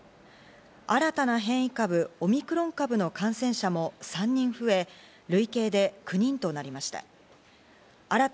新たな変異株オミクロン株の感染者も３人増え、累計で９人となりました。